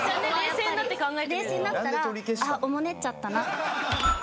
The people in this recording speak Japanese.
冷静になったらあっおもねっちゃったな。